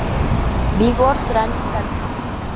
Vigor Trani Calcio".